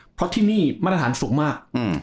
เพราะที่นี่มาตรฐานสูงมาก